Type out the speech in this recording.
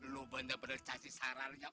lu bener bener cacis hararnya